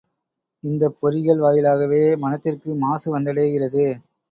இந்தப் பொறிகள் வாயிலாகவே மனத்திற்கு மாசு வந்தடைகிறது.